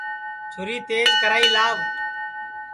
چھُری تیج کرائی لاوَ